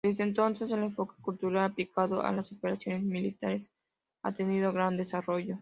Desde entonces el Enfoque Cultural aplicado a las operaciones militares ha tenido gran desarrollo.